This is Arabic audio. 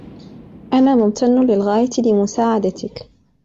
أنا ممتن للغاية لمساعدتك.